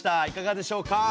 いかがでしょうか？